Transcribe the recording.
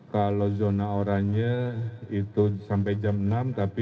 kalau zona oranye itu sampai jam enam tapi